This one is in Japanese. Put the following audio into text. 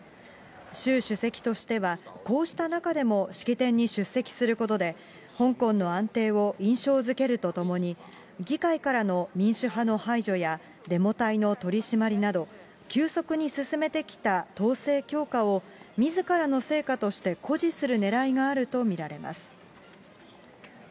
習主席としては、こうした中でも式典に出席することで、香港の安定を印象づけるとともに、議会からの民主派の排除やデモ隊の取締りなど、急速に進めてきた統制強化を、みずからの成果として誇示するねらいがあると見られます。